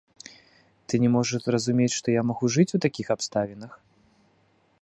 Ты не можаш зразумець, што я магу жыць у такіх абставінах?